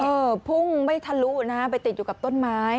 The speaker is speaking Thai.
พุ่งไม่ทะลุนะไปติดอยู่กับต้นไม้